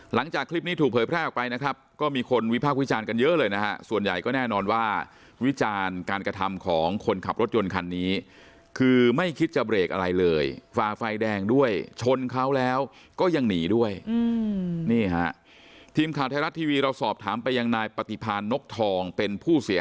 หลังจากคลิปนี้ถูกเผยแพร่ออกไปนะครับก็มีคนวิภาควิจารณ์กันเยอะเลยนะฮะส่วนใหญ่ก็แน่นอนว่าวิจารณ์การกระทำของคนขับรถยนต์คันนี้คือไม่คิดจะเบรกอะไรเลยฟ้าไฟแดงด้วยชนเขาแล้วก็ยังหนีด้วย